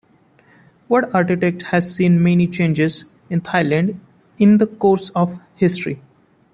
Wat architecture has seen many changes in Thailand in the course of history.